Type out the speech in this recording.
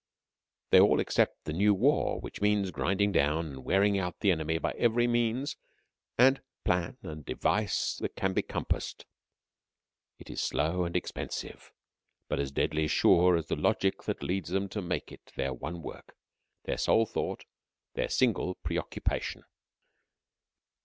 They all accept the new war, which means grinding down and wearing out the enemy by every means and plan and device that can be compassed. It is slow and expensive, but as deadly sure as the logic that leads them to make it their one work, their sole thought, their single preoccupation.